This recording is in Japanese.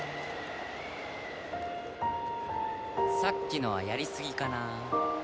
さっきのはやりすぎかな。